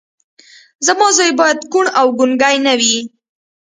زما زوی بايد کوڼ او ګونګی نه وي.